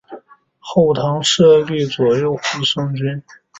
后唐设立左右护圣军。